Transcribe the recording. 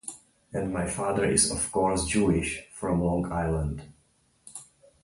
And my father is of course Jewish from Long Island.